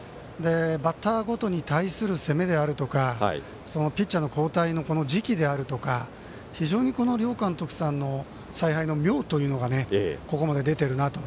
バッターごとに対する攻めであるとかピッチャーの交代の時期であるとか非常に両監督さんの采配の妙というのがここまで出てるなと。